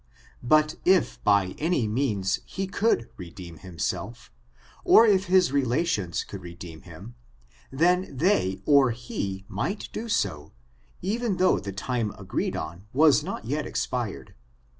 But if by any means he could redeem himself, or if his relations could redeem him, then they or he might do so, even though the time agreed on was not yet expired.